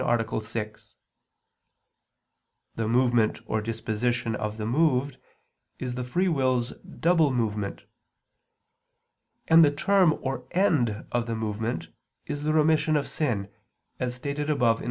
6); the movement or disposition of the moved is the free will's double movement; and the term or end of the movement is the remission of sin, as stated above (A.